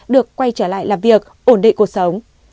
được quay trở lại làm việc ổn định cuộc sống